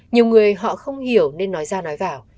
nhiều người họ không hiểu nên nói ra nói vào